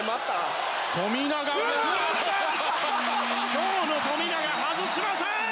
今日の富永、外しません！